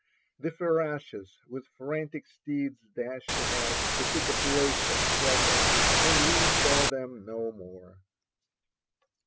The ferashes with frantic steeds dashed ahead to seek a place of shelter, and we saw them no more.